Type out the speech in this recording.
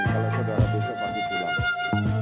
kalau saudara besok pasti pulang